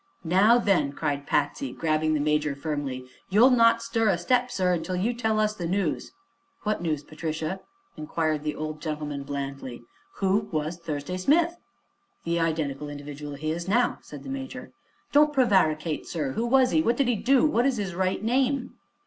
"Now, then," cried Patsy, grabbing the major firmly, "you'll not stir a step, sir, until you tell us the news!" "What news, Patricia?" Inquired the old gentleman blandly. "Who was Thursday Smith?" "The identical individual he is now," said the Major. "Don't prevaricate, sir! Who was he? What did he do? What is his right name?"